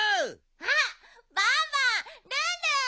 あっバンバンルンルン！